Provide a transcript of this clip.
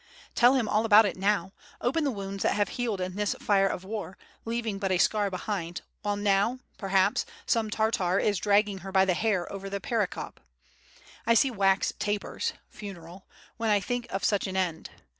"Tell him all about it now; open the wounds that have healed in this fire of war, leaving but a scar behind, while now, perhaps, some Tartar is dragging her by the hair over the Perekop. I see wax tapers (funeral) when I think of such an end.